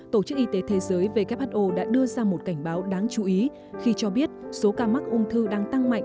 tổ chức y tế thế giới who đã đưa ra một cảnh báo đáng chú ý khi cho biết số ca mắc ung thư đang tăng mạnh